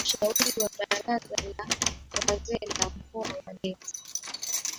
Ushauri huo wa baraza la wazee la mkoa wa geita